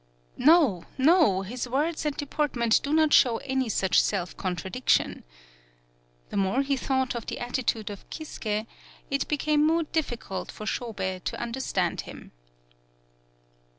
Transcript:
No, no, his words and deportment do not show any such self contradiction. The more he thought of the attitude of Kisuke, it be 10 TAKASE BUNE came more difficult for Shobei to under stand him.